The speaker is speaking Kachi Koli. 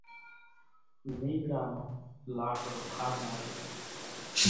لينٻڙا نون لاڪڙون کارون هوئيَ سي۔